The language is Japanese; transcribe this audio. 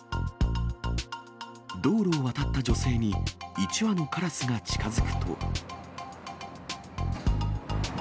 道路を渡った女性に、１羽のカラスが近づくと。